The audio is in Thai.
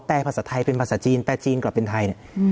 แต่ภาษาไทยเป็นภาษาจีนแต่จีนกลับเป็นไทยเนี่ย